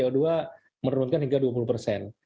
co dua menurunkan hingga dua puluh persen